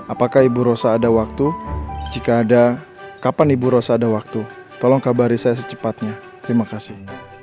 apakah ibu rosa ada waktu jika ada kapan ibu rosa ada waktu tolong kabari saya secepatnya terima kasih